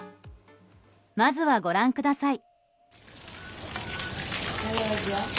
まずは、ご覧ください。